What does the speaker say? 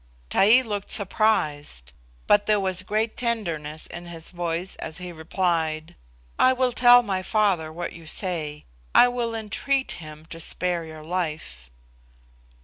Taee looked surprised, but there was great tenderness in his voice as he replied, "I will tell my father what you say. I will entreat him to spare your life."